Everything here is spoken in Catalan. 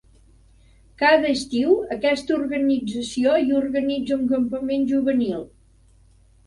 Cada estiu aquesta organització hi organitza un campament juvenil.